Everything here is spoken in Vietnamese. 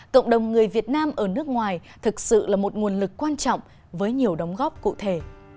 cộng đồng người việt nam ở nước ngoài thực sự là một nguồn lực quan trọng với nhiều đóng góp cụ thể